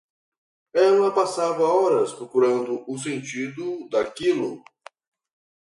Ela passava horas procurando o sentido daquilo.